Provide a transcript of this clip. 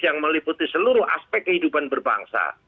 yang meliputi seluruh aspek kehidupan berbangsa